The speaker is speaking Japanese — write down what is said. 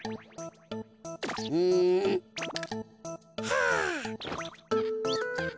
うん。はあ。